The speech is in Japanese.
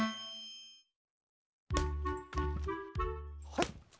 はい！